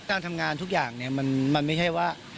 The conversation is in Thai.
การทำงานทุกอย่างมันไม่ใช่ว่า